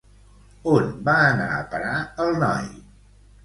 On va anar a parar el noi?